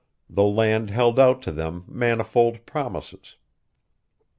The land held out to them manifold promises.